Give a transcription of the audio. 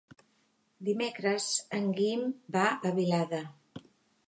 Dimecres en Guim va a Vilada.